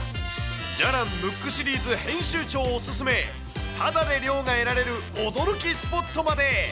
じゃらんムックシリーズ編集長お勧め、ただで涼が得られる驚きスポットまで。